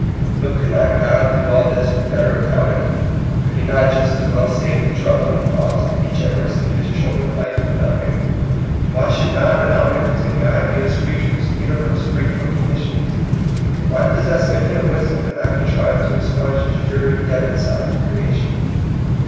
But could not God do all this with better economy? Could he not just as well save the trouble and cost, and be generous and give his children life for THE LAW OF COST, 107 nothing? Why should not an ominipo tent God give his creatures a universe free from conditions? Why possess infinite wisdom and not contrive to expunge this dreary debit side of creation.